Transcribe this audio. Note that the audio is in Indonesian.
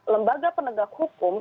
lembaga penegak hukum